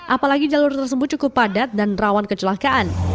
apalagi jalur tersebut cukup padat dan rawan kecelakaan